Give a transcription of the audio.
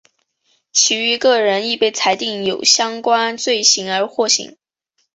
其余各人亦被裁定有相关罪行而获刑。